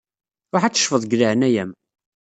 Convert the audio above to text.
Ruḥ ad teccfeḍ deg leɛnaya-m.